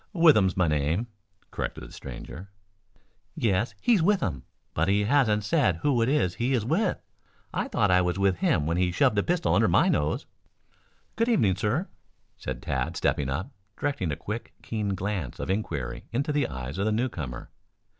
"Withem's my name," corrected the stranger. "Yes, he's with 'em. But he hasn't said who it is he is with. I thought I was with him when he shoved a pistol under my nose." "Good evening, sir," said Tad stepping up, directing a quick, keen glance of inquiry into the eyes of the newcomer.